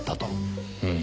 うん。